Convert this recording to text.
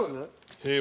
平和。